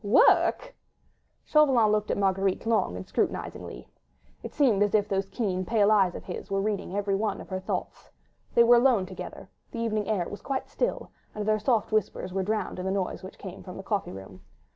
"Work?" Chauvelin looked at Marguerite long and scrutinisingly. It seemed as if those keen, pale eyes of his were reading every one of her thoughts. They were alone together; the evening air was quite still, and their soft whispers were drowned in the noise which came from the coffee room.